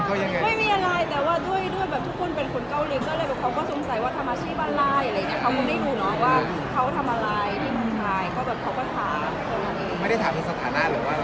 คุณเพื่อนน้องถามว่าเป็นใครอะไรดูกัน